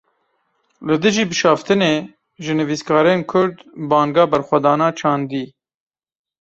Li dijî bişaftinê, ji nivîskarên Kurd banga berxwedana çandî